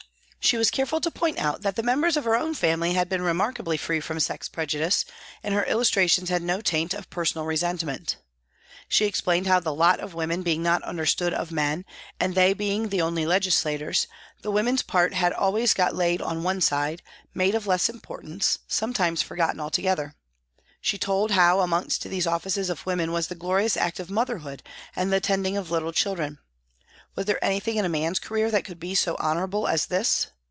She was careful to point out that the members of her own family had been remarkably free from sex prejudice, and her illustrations had no taint of personal resentment. She explained how the lot of women being not understood of men, and they being the only legislators, the woman's part had always got laid on one side, made of less im portance, sometimes forgotten altogether. She told how amongst these offices of women was the glorious act of motherhood and the tending of little children. Was there anything in a man's career that could be so honourable as this